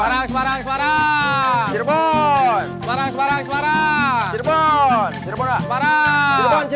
semarang semarang semarang